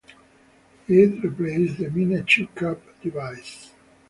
It replaced the miniature cap device.